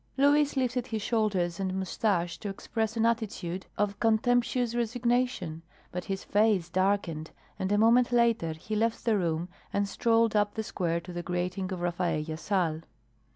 Luis lifted his shoulders and mustache to express an attitude of contemptuous resignation, but his face darkened, and a moment later he left the room and strolled up the square to the grating of Rafaella Sal.